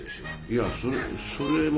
いやそれは。